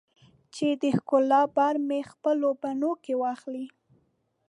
چې د ښکلا بار مې خپلو بڼو کې واخلې